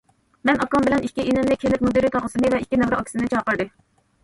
مەن ئاكام بىلەن ئىككى ئىنىمنى، كەنت مۇدىرى تاغىسىنى ۋە ئىككى نەۋرە ئاكىسىنى چاقىردى.